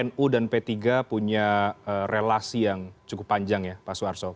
nu dan p tiga punya relasi yang cukup panjang ya pak suarso